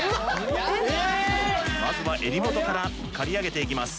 まずは襟元から刈り上げていきます